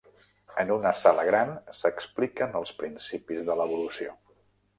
En una sala gran s"expliquen els principis de l'evolució